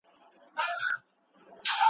که په لاره کی دي مل وو آیینه کي چي انسان دی .